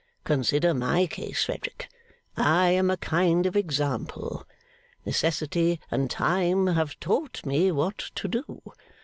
Consider my case, Frederick. I am a kind of example. Necessity and time have taught me what to do.